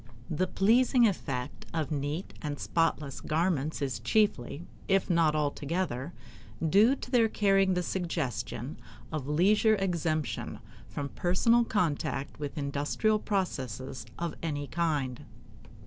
The pleasing effect of neat and spotless garments is chiefly, if not altogether, due to their carrying the suggestion of leisure exemption from personal contact with industrial processes of any kind.